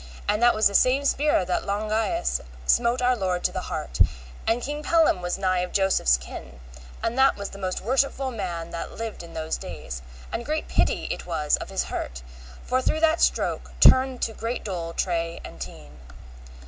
And that was the same spear that Longius smote our Lord to the heart; and King Pellam was nigh of Joseph's kin, and that was the most worshipful man that lived in those days, and great pity it was of his hurt, for through that stroke, turned to great dole, tray and tene.